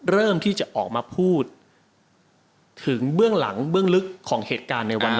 เริ่มที่จะออกมาพูดถึงเบื้องหลังเบื้องลึกของเหตุการณ์ในวันนั้น